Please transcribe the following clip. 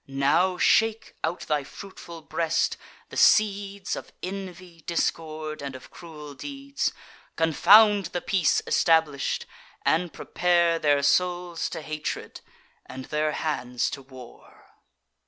Now shake, out thy fruitful breast, the seeds Of envy, discord, and of cruel deeds: Confound the peace establish'd, and prepare Their souls to hatred, and their hands to war."